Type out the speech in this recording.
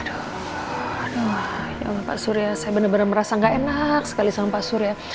aduh ya allah pak surya saya bener bener merasa gak enak sekali sama pak surya